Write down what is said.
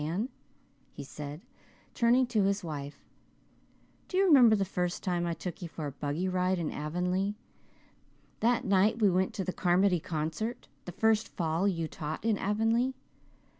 Anne," he said, turning to his wife, "do you remember the first time I took you for a buggy ride in Avonlea that night we went to the Carmody concert, the first fall you taught in Avonlea?